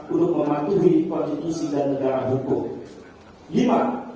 untuk mematuhi konstitusi dan negara hukum